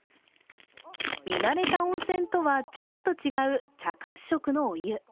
見慣れた温泉とはちょっと違う、茶褐色のお湯。